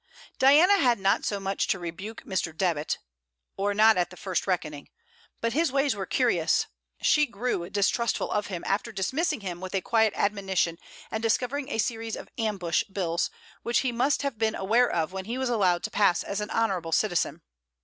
Diana had not so much to rebuke in Mr. Debit; or not at the first reckoning. But his ways were curious. She grew distrustful of him, after dismissing him with a quiet admonition and discovering a series of ambush bills, which he must have been aware of when he was allowed to pass as an honourable citizen.